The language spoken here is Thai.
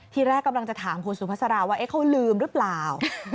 ที่แรกกำลังจะถามผู้สูงพัสราว่าเอ๊ะเขาลืมรึเปล่า